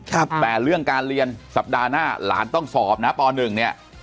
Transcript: แต่เรื่องการเรียนสัปดาห์หน้าหลานต้องสอบนะป๑เนี่ย